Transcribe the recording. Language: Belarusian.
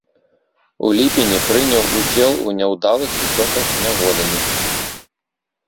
У ліпені прыняў удзел у няўдалых уцёках зняволеных.